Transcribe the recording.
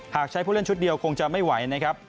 หากใช้ผู้เล่นชุดเดียวคงจะไม่ไหวนะครับ